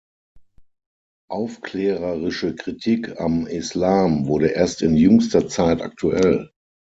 Aufklärerische Kritik am Islam wurde erst in jüngster Zeit aktuell.